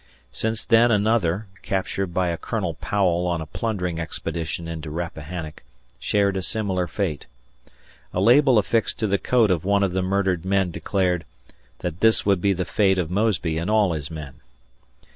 Since then another (captured by a Colonel Powell on a plundering expedition into Rappahannock) shared a similar fate. A label affixed to the coat of one of the murdered men declared "that this would be the fate of Mosby and all his men."